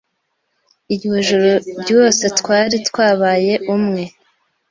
Iryo joro ryose twari twabaye umwe.